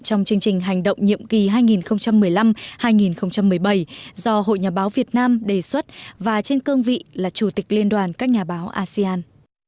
trong chương trình hành động nhiệm kỳ hai nghìn một mươi năm hai nghìn một mươi bảy do hội nhà báo việt nam đề xuất và trên cương vị là chủ tịch liên đoàn các nhà báo asean